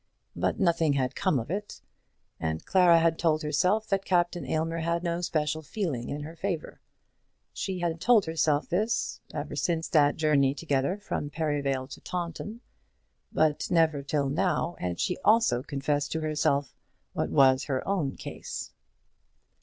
But nothing had come of it, and Clara had told herself that Captain Aylmer had no special feeling in her favour. She had told herself this, ever since that journey together from Perivale to Taunton; but never till now had she also confessed to herself what was her own case.